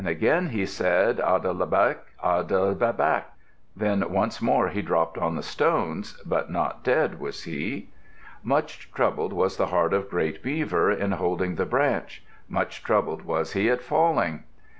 Again he said, "An de be laq! An de be laq!" Then once more he dropped on the stones, but not dead was he! Much troubled was the heart of great Beaver, in holding the branch. Much troubled was he at falling.